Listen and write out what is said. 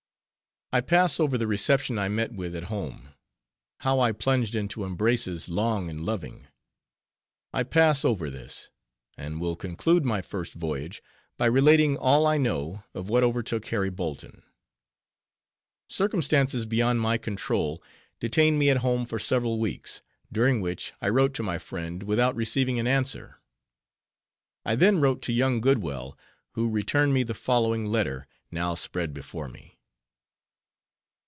I pass over the reception I met with at home; how I plunged into embraces, long and loving:—I pass over this; and will conclude my first voyage by relating all I know of what overtook Harry Bolton. Circumstances beyond my control, detained me at home for several weeks; during which, I wrote to my friend, without receiving an answer. I then wrote to young Goodwell, who returned me the following letter, now spread before me.